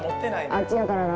あっちやからな。